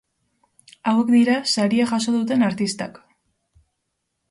Hauek dira saria jaso duten artistak.